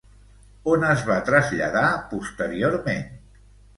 On es va traslladar posteriorment?